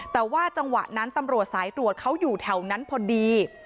แต่ว่าจังหวะนั้นตำรวจสายตรวจเขาอยู่แถวนั้นพอดี